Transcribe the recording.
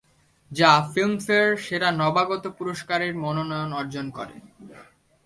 যা ফিল্মফেয়ার সেরা নবাগত পুরস্কারের মনোনয়ন অর্জন করে।